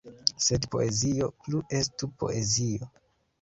Sed poezio plu estu poezio.